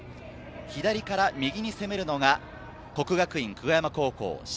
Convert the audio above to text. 左から右に攻めるのが國學院久我山高校、白。